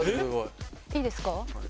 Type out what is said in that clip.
いいですか？